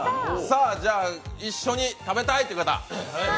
一緒に食べたいという方？